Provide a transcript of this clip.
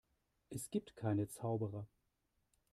Es gibt keine Zauberer.